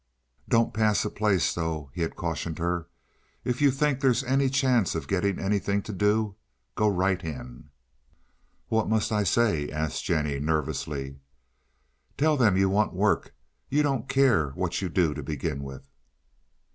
"Don't pass a place, though," he had cautioned her, "if you think there's any chance of getting anything to do. Go right in." "What must I say?" asked Jennie, nervously. "Tell them you want work. You don't care what you do to begin with."